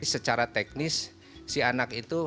secara teknis si anak itu